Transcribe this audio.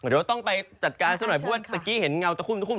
เดี๋ยวต้องไปจัดการซะหน่อยเพราะว่าเมื่อกี้เห็นเงาตะคุ่มตะคุ่ม